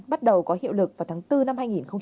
bắt đầu có hiệu lực vào tháng bốn năm hai nghìn hai mươi